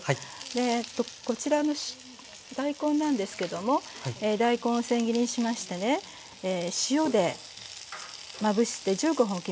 こちらの大根なんですけども大根をせん切りにしましてね塩でまぶして１５分おきました。